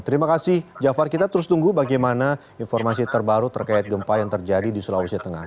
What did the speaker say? terima kasih jafar kita terus tunggu bagaimana informasi terbaru terkait gempa yang terjadi di sulawesi tengah